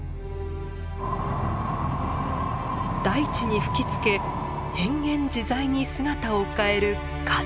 大地に吹きつけ変幻自在に姿を変える風。